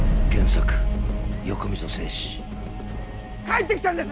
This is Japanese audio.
帰ってきたんです